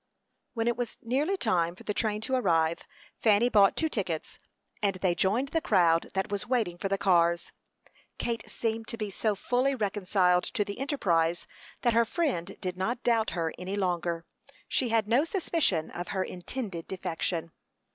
When it was nearly time for the train to arrive, Fanny bought two tickets, and they joined the crowd that was waiting for the cars. Kate seemed to be so fully reconciled to the enterprise, that her friend did not doubt her any longer; she had no suspicion of her intended defection.